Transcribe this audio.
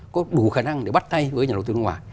có đủ khả năng để bắt tay với nhà đầu tư nước ngoài